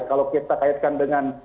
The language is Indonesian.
kalau kita kaitkan dengan